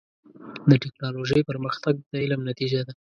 د ټکنالوجۍ پرمختګ د علم نتیجه ده.